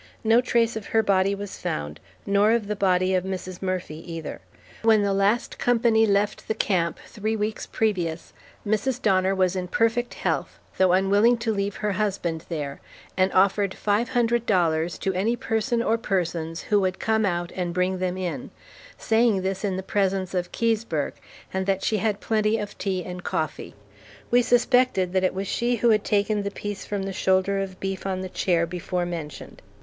No trace of her body was found, nor of the body of Mrs. Murphy either. When the last company left the camp, three weeks previous, Mrs. Donner was in perfect health, though unwilling to leave her husband there, and offered $500.00 to any person or persons who would come out and bring them in, saying this in the presence of Keseberg, and that she had plenty of tea and coffee. We suspected that it was she who had taken the piece from the shoulder of beef on the chair before mentioned.